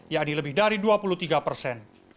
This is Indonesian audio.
yakni lebih dari dua puluh tiga persen